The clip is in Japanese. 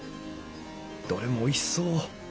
どれもおいしそう。